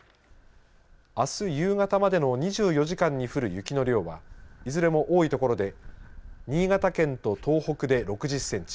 あす夕方までの２４時間に降る雪の量はいずれも多い所で新潟県と東北で６０センチ。